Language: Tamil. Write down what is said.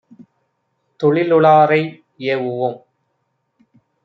தொழிலுளாரை ஏவுவோம்.